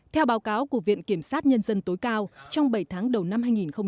theo báo cáo của viện kiểm sát nhân dân tối cao trong bảy tháng đầu năm hai nghìn hai mươi